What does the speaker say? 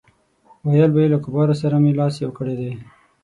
ویل به یې له کفارو سره مې لاس یو کړی دی.